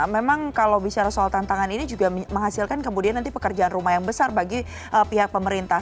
memang kalau bicara soal tantangan ini juga menghasilkan kemudian nanti pekerjaan rumah yang besar bagi pihak pemerintah